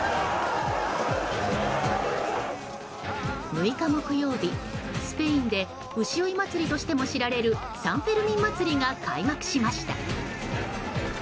６日木曜日、スペインで牛追い祭りとしても知られるサン・フェルミン祭りが開幕しました。